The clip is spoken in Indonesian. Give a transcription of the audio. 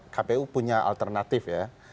kpu punya alternatif ya